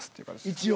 一応。